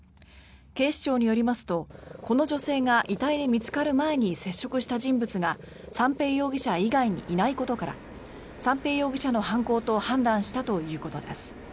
警視庁によりますとこの女性が遺体で見つかる前に接触した人物が三瓶容疑者以外にいないことから三瓶容疑者の犯行と判断したということです。